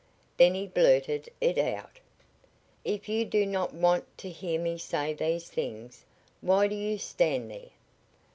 Then he blurted it out. "If you do not want to hear me say these things, why do you stand there?"